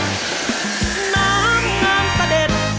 น้ำงามตะเด็ด